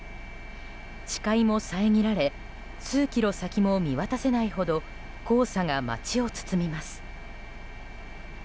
視界も遮られ数キロ先も見渡せないほど黄砂が街を包みます。